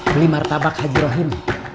beli martabak hajirohim